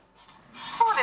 そうですね。